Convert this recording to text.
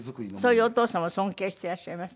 そういうお父様を尊敬していらっしゃいました？